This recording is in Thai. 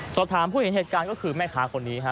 สอบถามผู้เห็นเหตุการณ์ก็คือแม่ค้าคนนี้ฮะ